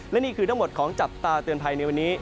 และนี่คือทั้งหมดของจับตาเตือนภัยในวันนี้